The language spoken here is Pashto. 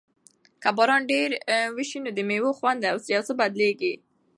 که باران ډېر وشي نو د مېوو خوند یو څه بدلیږي.